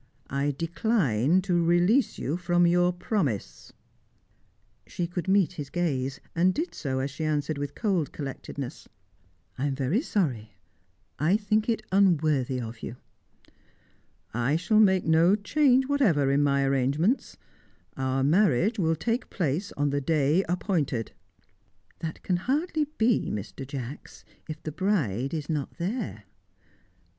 "I decline to release you from your promise." She could meet his gaze, and did so as she answered with cold collectedness: "I am very sorry. I think it unworthy of you." "I shall make no change whatever in my arrangements. Our marriage will take place on the day appointed." "That can hardly be, Mr. Jacks, if the bride is not there."